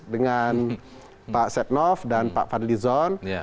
dengan pak setnov dan pak fadlizon